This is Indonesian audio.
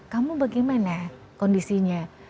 kamu bagaimana kondisinya